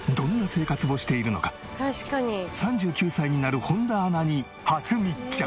３９歳になる本田アナに初密着！